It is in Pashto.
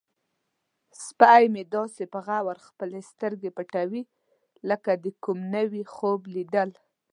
سپی مې داسې په غور خپلې سترګې پټوي لکه د کوم نوي خوب لیدل.